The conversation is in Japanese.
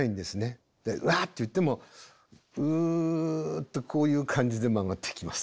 うわっていってもうっとこういう感じで曲がってきます。